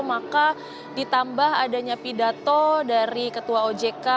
maka ditambah adanya pidato dari ketua ojk